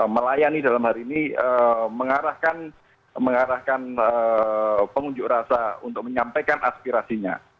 melayani dalam hari ini mengarahkan pengunjuk rasa untuk menyampaikan aspirasinya